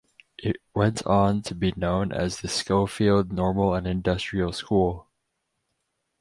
It went on to be known as the Schofield Normal and Industrial School.